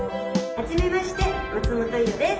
「初めまして私も松本伊代です。